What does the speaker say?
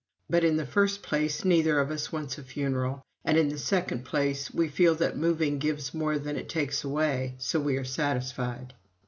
But in the first place, neither of us wants a funeral, and in the second place, we feel that moving gives more than it takes away so we are satisfied."